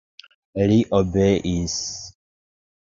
Li obeis.